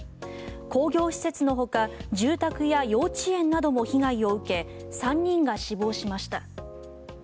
工業施設のほか住宅や幼稚園なども被害を受け３人が死亡しました。